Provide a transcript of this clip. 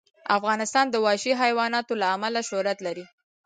افغانستان د وحشي حیوانات له امله شهرت لري.